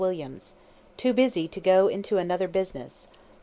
TOO BUSY TO GO INTO ANOTHER BUSINESS.